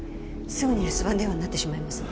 すぐに留守番電話になってしまいます。